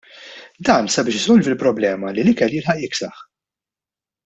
Dan sabiex isolvi l-problema li l-ikel jilħaq jiksaħ.